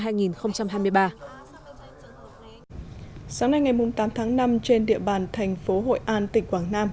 sáng nay ngày tám tháng năm trên địa bàn thành phố hội an tỉnh quảng nam